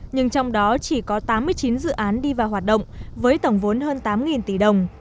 nhưng trong đó chỉ có tám mươi chín dự án đi vào hoạt động với tổng vốn hơn tám tỷ đồng